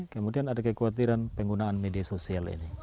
kemudian ada kekhawatiran penggunaan media sosial ini